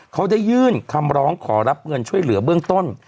เขาได้ยื่นคำร้องขอรับเงินช่วยเหลือเบื้องต้น